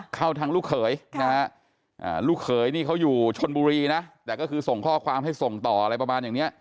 เข้าทางลูกเขยนะฮะลูกเขยนี่เขาอยู่ชนบุรีนะแต่ก็คือส่งข้อความให้ส่งต่ออะไรประมาณอย่างนี้